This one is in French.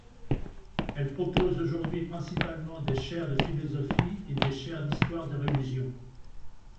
Elle propose aujourd’hui principalement des chaires de philosophie et des chaires d’histoire des religions.